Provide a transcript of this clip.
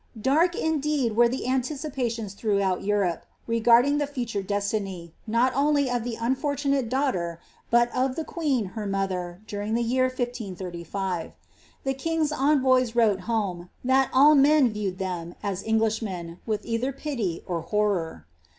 Dark, indeed, were the anticipations throughout Europe, reguding the future destiny, not only of the unfortunate daughter, but of the queen, her motlier, during the year 1 535. The king's envoys wrote home, that all men viewed them, as Englishmen, with either pity or horror.